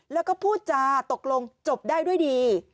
แล้วก็พูดจาตกลงจบได้ด้วยดี